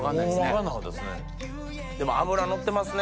分かんなかったですね。